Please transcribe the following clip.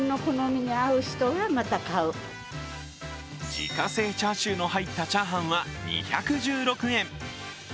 自家製チャーシューの入ったチャーハンは２１６円。